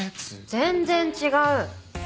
全然違う！